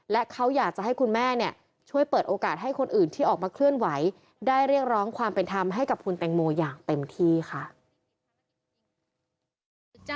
และเขาอยากจะให้คุณแม่เนี่ยช่วยเปิดโอกาสให้คนอื่นที่ออกมาเคลื่อนไหวได้เรียกร้องความเป็นธรรมให้กับคุณแตงโมอย่างเต็มที่ค่ะ